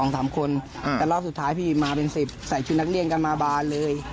แต่รอบสุดท้ายพี่มาเป็น๑๐ใส่ชุดนักเรียนกันมาบานเลย